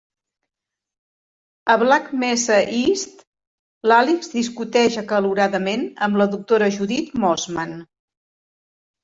A "Black mesa east", l'Alyx discuteix acaloradament amb la doctora Judith Mossman.